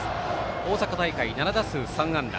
大阪大会７打数３安打。